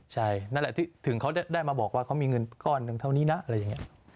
ใช่นั่นแหละถึงเขาได้มาบอกว่าเขามีเงินก้อนหนึ่งเท่านี้นะอะไรอย่างนี้